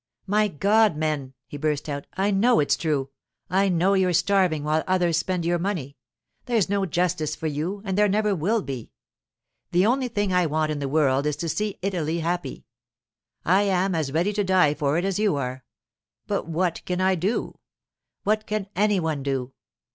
'My God! men,' he burst out, 'I know it's true. I know you're starving while others spend your money. There's no justice for you, and there never will be. The only thing I want in the world is to see Italy happy. I am as ready to die for it as you are, but what can I do? What can any one do?